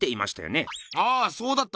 ああそうだった